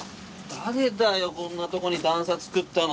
誰だよこんなとこに段差作ったの。